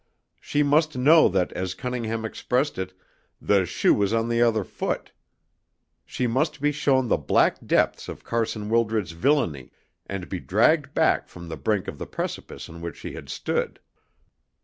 She must know that, as Cunningham expressed it, the "shoe was on the other foot." She must be shown the black depths of Carson Wildred's villainy, and be dragged back from the brink of the precipice on which she had stood.